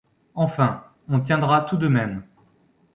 Enfin, on tiendra tout de même.